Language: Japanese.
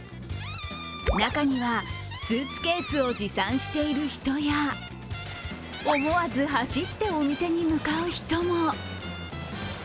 中には、スーツケースを持参している人や思わず走ってお店に向かう人も。